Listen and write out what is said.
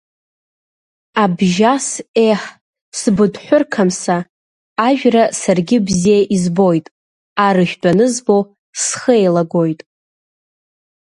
Абжьас еҳ, сбыҭәҳәыр қамса, ажәра саргьы бзиа избоит, арыжәтә анызбо, схы еилагоит.